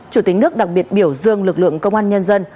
chủ tịch nước đặc biệt biểu dương lực lượng công an nhân dân